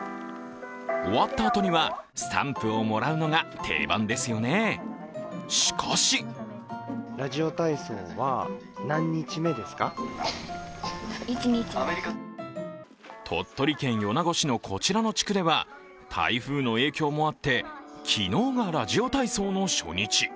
終わったあとにはスタンプをもらうのが定番ですよね、しかし鳥取県米子市のこちらの地区では台風の影響もあって昨日がラジオ体操の初日。